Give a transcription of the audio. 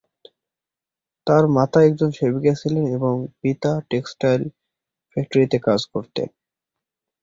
তার মাতা একজন সেবিকা ছিলেন এবং পিতা টেক্সটাইল ফ্যাক্টরিতে কাজ করতেন।